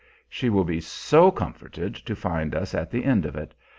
She will be so comforted to find us at the end of it.